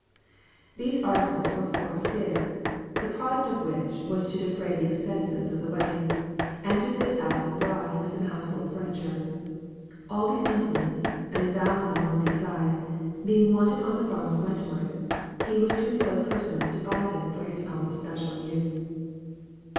These articles were for a fair, the product of which was to defray the expenses of the wedding, and also to fit out the bride with some household furniture. All these implements, and a thousand and one besides, being wanted on the farm of Wentworth, he was to employ persons to buy them for his own especial use.